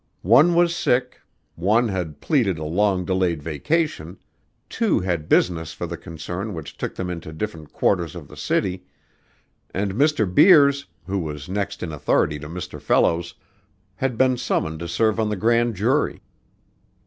One was sick, one had pleaded a long delayed vacation, two had business for the concern which took them into different quarters of the city, and Mr. Beers, who was next in authority to Mr. Fellows, had been summoned to serve on the grand jury.